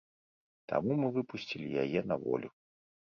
Таму мы выпусцілі яе на волю.